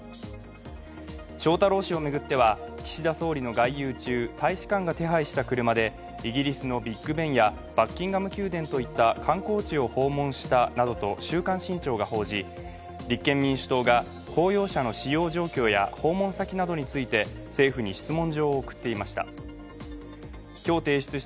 翔太郎氏を巡っては岸田総理の外遊中大使館が手配した車でイギリスのビッグ・ベンやバッキンガム宮殿といった観光地を訪問したなどと「週刊新潮」が報じ立憲民主党が公用車の使用状況や訪問先などについて政府に質問状を送っていました。